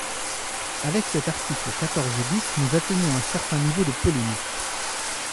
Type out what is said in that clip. Avec cet article quatorze bis, nous atteignons un certain niveau de polémique.